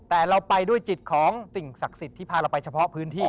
แต่เราไปด้วยจิตของสิ่งศักดิ์สิทธิ์ที่พาเราไปเฉพาะพื้นที่